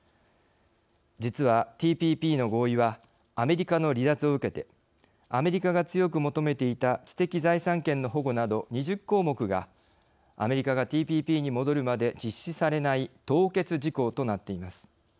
実は、ＴＰＰの合意はアメリカの離脱を受けてアメリカが強く求めていた知的財産権の保護など２０項目がアメリカがＴＰＰに戻るまで実施されない凍結事項となっています。